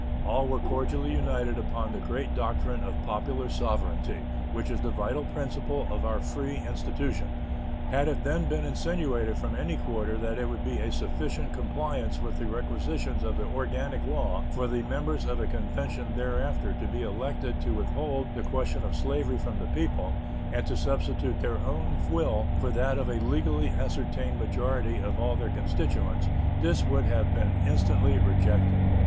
All were cordially united upon the great doctrine of popular sovereignty, which is the vital principle of our free institutions. Had it then been insinuated from any quarter that it would be a sufficient compliance with the requisitions of the organic law for the members of a convention thereafter to be elected to withhold the question of slavery from the people and to substitute their own will for that of a legally ascertained majority of all their constituents, this would have been instantly rejected.